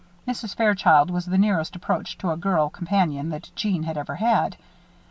Mrs. Fairchild was the nearest approach to a girl companion that Jeanne had ever had.